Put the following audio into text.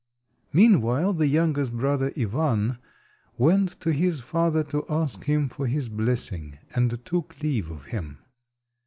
Meanwhile the youngest brother, Ivan, went to his father to ask him for his blessing, and took leave of him.